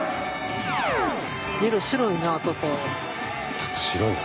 ちょっと白いか。